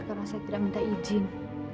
karena saya tidak minta izin